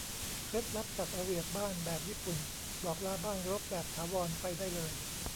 เคล็ดลับจัดระเบียบบ้านแบบญี่ปุ่น บอกลาบ้านรกแบบถาวรไปได้เลย